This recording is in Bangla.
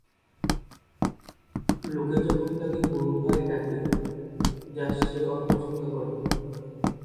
লোকে যখন তাকে "বুড়ো ভাই" ডাকে যা সে অপছন্দ করে।